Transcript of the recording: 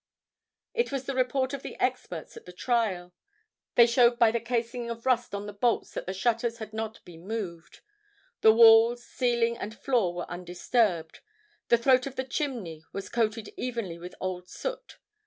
It was the report of the experts at the trial. They showed by the casing of rust on the bolts that the shutters had not been moved; the walls, ceiling and floor were undisturbed; the throat of the chimney was coated evenly with old soot.